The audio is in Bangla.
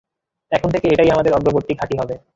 এখন থেকে, এটাই আমাদের অগ্রবর্তী ঘাঁটি হবে।